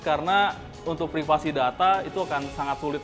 karena untuk privasi data itu akan sangat sulit